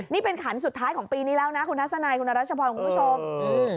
นี่เป็นขันสุดท้ายของปีนี้แล้วนะคุณทัศนายคุณรัชพรคุณผู้ชมอืม